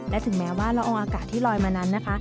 และถึงแม้ว่าละอองอากาศที่ลอยมานั้นนะคะ